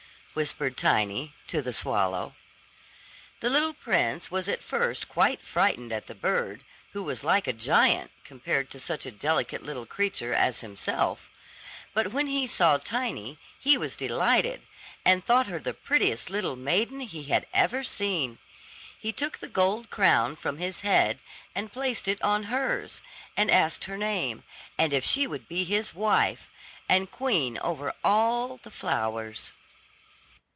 whispered Tiny to the swallow. The little prince was at first quite frightened at the bird, who was like a giant, compared to such a delicate little creature as himself; but when he saw Tiny, he was delighted, and thought her the prettiest little maiden he had ever seen. He took the gold crown from his head, and placed it on hers, and asked her name, and if she would be his wife, and queen over all the flowers.